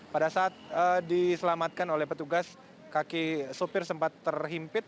pada saat diselamatkan oleh petugas kaki supir sempat terhimpit